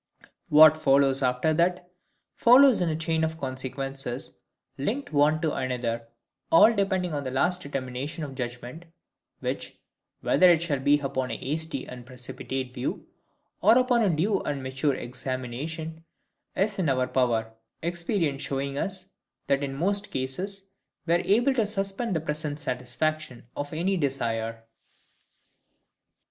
What follows after that, follows in a chain of consequences, linked one to another, all depending on the last determination of the judgment, which, whether it shall be upon a hasty and precipitate view, or upon a due and mature examination, is in our power; experience showing us, that in most cases, we are able to suspend the present satisfaction of any desire.